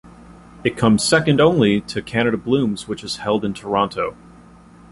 It comes second only to Canada Blooms which is held in Toronto.